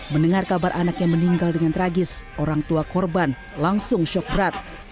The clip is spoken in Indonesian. mendengar kabar anak yang meninggal dengan tragis orang tua korban langsung shock berat